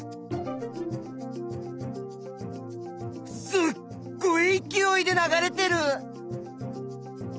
すごいいきおいで流れてる！